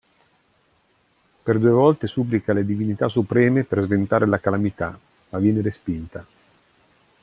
Per due volte supplica le divinità supreme per sventare la calamità, ma viene respinta.